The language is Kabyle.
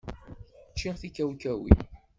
Ččiɣ tikawkawin.